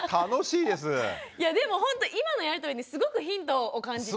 いやでもほんと今のやり取りにすごくヒントを感じて。